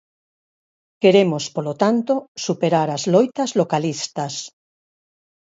Queremos, polo tanto, superar as loitas localistas.